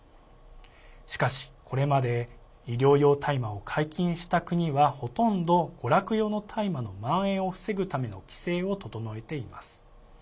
しかし、これまで医療用大麻を解禁した国はほとんど娯楽用の大麻のまん延を防ぐための規制を整えています。